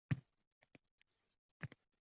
–Siz shunday maslahat bersangiz…